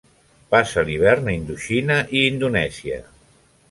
Passa l'hivern a Indoxina i Indonèsia.